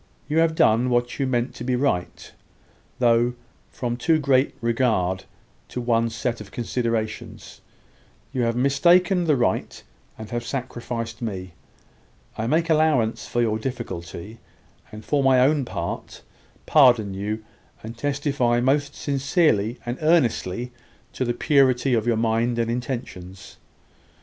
You have done what you meant to be right; though, from too great regard to one set of considerations, you have mistaken the right, and have sacrificed me. I make allowance for your difficulty, and, for my own part, pardon you, and testify most sincerely and earnestly to the purity of your mind and intentions.